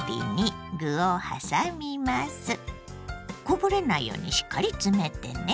こぼれないようにしっかり詰めてね。